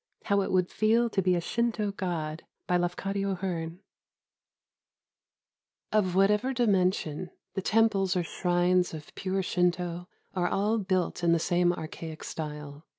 HOW IT WOULD FEEL TO BE A SHINTO GOD BY LAFCADIO HEARN Of whatever dimension, the temples or shrines of pure Shinto are all built in the same archaic style.